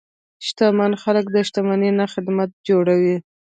شتمن خلک د شتمنۍ نه خدمت جوړوي.